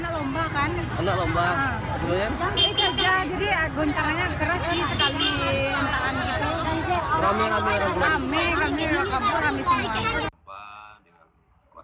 jadi guncangannya keras sekali